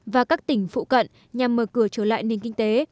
và các tỉnh phụ cận nhằm mở cửa trở lại nền kinh tế